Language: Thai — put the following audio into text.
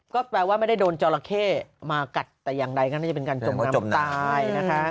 ก็แปลว่าไม่ได้โดนจอราเข้มากัดแต่อย่างใดก็น่าจะเป็นการจมน้ำตายนะคะ